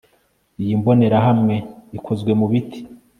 iyo mbonerahamwe ikozwe mu biti